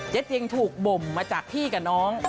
จริงถูกบ่มมาจากพี่กับน้อง